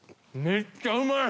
めっちゃうまい。